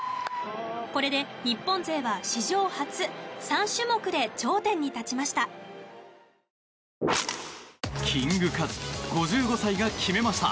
これで日本勢は史上初３種目で頂点に立ちました。